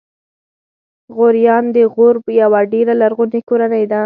غوریان د غور یوه ډېره لرغونې کورنۍ ده.